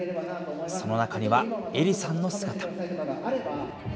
その中には、エリさんの姿。